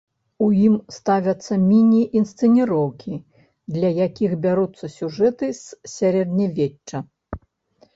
У ім ставяцца міні-інсцэніроўкі, для якіх бяруцца сюжэты з сярэднявечча.